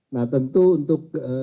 nah tentu untuk